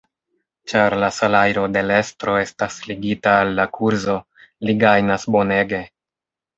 Ĉar la salajro de l’ estro estas ligita al la kurzo, li gajnas bonege.